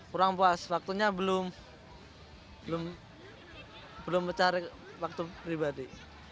kurang puas waktunya belum belum belum mencari waktu pribadi